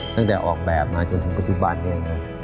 ตั้งแต่ออกแบบมาจนถึงปฏิบัติอย่างนั้น